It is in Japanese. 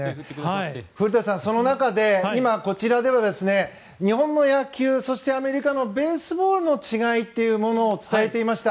古田さんその中で今、こちらは日本の野球、ベースボールの違いっていうものを伝えていました。